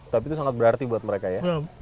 tapi itu sangat berarti buat mereka ya